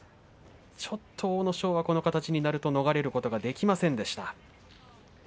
ちょっと阿武咲がこの形になると逃れることができませんでした。